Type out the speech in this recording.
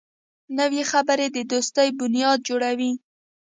نوې خبرې د دوستۍ بنیاد جوړوي